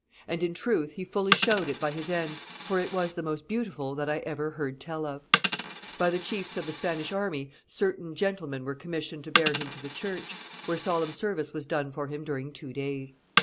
And in truth he fully showed it by his end, for it was the most beautiful that I ever heard tell of.' By the chiefs of the Spanish army certain gentlemen were commissioned to bear him to the church, where solemn service was done for him during two days.